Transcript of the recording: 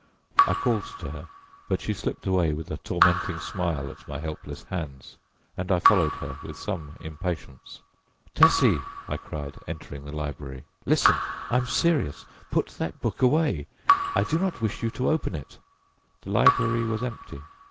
I called to her, but she slipped away with a tormenting smile at my helpless hands, and I followed her with some impatience. "Tessie!" I cried, entering the library, "listen, I am serious. Put that book away. I do not wish you to open it!" The library was empty.